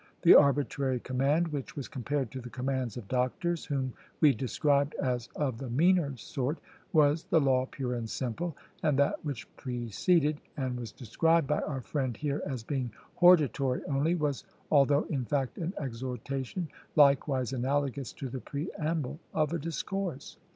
The arbitrary command, which was compared to the commands of doctors, whom we described as of the meaner sort, was the law pure and simple; and that which preceded, and was described by our friend here as being hortatory only, was, although in fact, an exhortation, likewise analogous to the preamble of a discourse.